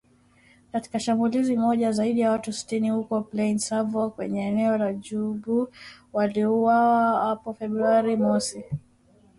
Katika shambulizi moja, zaidi ya watu sitini huko Plaine Savo kwenye eneo la Djubu waliuawa hapo Februari mosi.